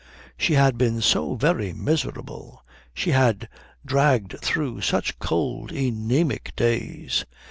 She had been so very miserable. She had dragged through such cold, anæmic days.